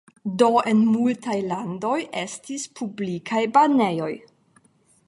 Do en multaj landoj estis publikaj banejoj.